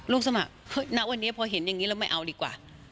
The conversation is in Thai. ลูกซะแบบนัดวันนี้พอเห็นอย่างนี้เราไม่เอาดีกว่า